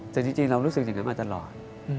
แต่จริงเรารู้สึกอย่างนั้นมาตลอด